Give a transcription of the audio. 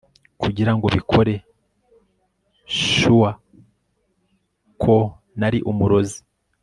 Kugirango bikore surer ko nari umurozi